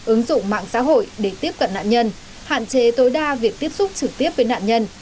ứng dụng mạng xã hội để tiếp cận nạn nhân hạn chế tối đa việc tiếp xúc trực tiếp với nạn nhân